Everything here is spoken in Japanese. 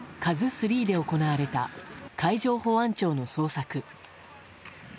「ＫＡＺＵ３」で行われた海上保安庁の捜索。